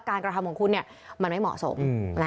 กระทำของคุณมันไม่เหมาะสม